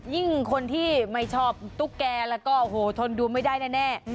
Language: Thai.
คนที่ไม่ชอบตุ๊กแกแล้วก็โอ้โหทนดูไม่ได้แน่